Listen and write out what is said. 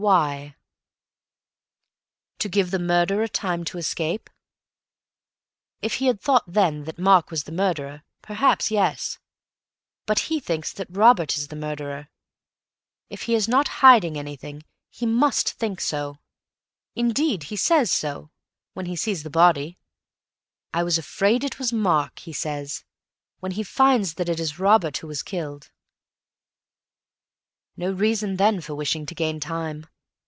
Why? To give the murderer time to escape? If he had thought then that Mark was the murderer, perhaps, yes. But he thinks that Robert is the murderer. If he is not hiding anything, he must think so. Indeed he says so, when he sees the body; "I was afraid it was Mark," he says, when he finds that it is Robert who is killed. No reason, then, for wishing to gain time.